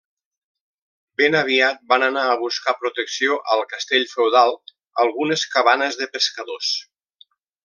Ben aviat van anar a buscar protecció al castell feudal algunes cabanes de pescadors.